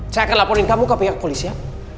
saya akan laporin kamu ke pihak polis ya